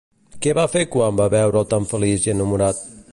Què va fer quan va veure'l tan feliç i enamorat?